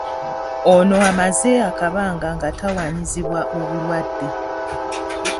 Ono amaze akabanga ng'atawanyizibwa obulwadde.